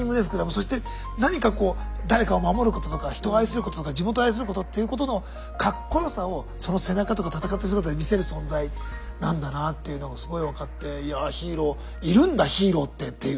そして何かこう誰かを守ることとか人を愛することとか地元を愛することっていうことのかっこよさをその背中とか戦ってる姿で見せる存在なんだなっていうのがすごい分かっていやヒーローいるんだヒーローってっていう。